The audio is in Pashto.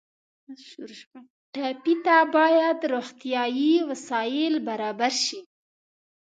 ټپي ته باید روغتیایي وسایل برابر شي.